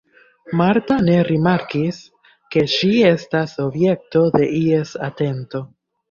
Marta ne rimarkis, ke ŝi estas objekto de ies atento.